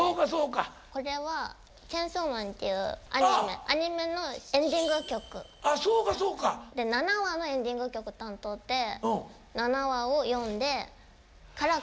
これは「チェンソーマン」っていうアニメアニメのエンディング曲。で７話のエンディング曲担当で７話を読んでから書きました。